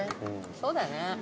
そうだね。